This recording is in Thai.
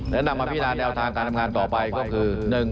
และนำมาพี่น้าแต่ลตามการทำงานต่อไปก็คือ๑